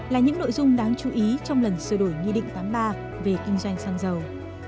là những nội dung đáng chú ý trong lần sửa đổi nghị định tám mươi ba về kinh doanh xăng dầu